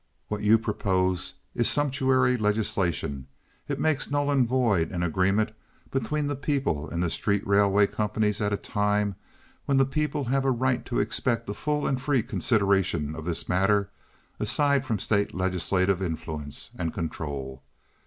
What you propose is sumptuary legislation; it makes null and void an agreement between the people and the street railway companies at a time when the people have a right to expect a full and free consideration of this matter aside from state legislative influence and control.